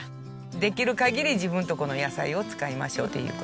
できる限り自分とこの野菜を使いましょうという事で。